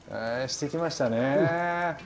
してきましたね。